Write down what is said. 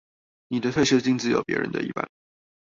你的退休金只有別人的一半